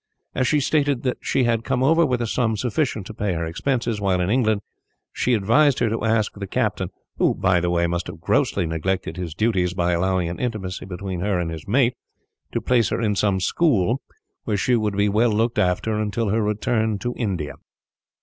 As she stated that she had come over with a sum sufficient to pay her expenses, while in England, she advised her to ask the captain who, by the way, must have grossly neglected his duties by allowing an intimacy between her and his mate to place her in some school, where she would be well looked after until her return to India.